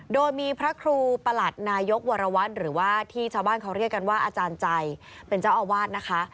โดยมีพระครูประหลัดนายกวรวัตรหรือว่าที่ชาวบ้านเขาเรียกกันว่าอาจารย์ใจเป็นเจ้าอาวาสนะคะ